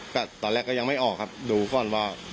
ก็ตอนแรกก็ยังไม่ออกครับดูก่อนว่า